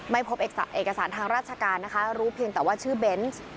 ไม่พบเอกสารทางราชการนะคะรู้เพียงแต่ว่าชื่อเบนส์